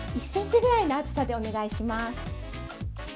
１ｃｍぐらいの厚さでお願いします。